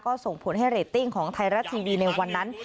ก็ส่งผลให้เรตติ้งของไทยรัฐทีวีในวันนั้น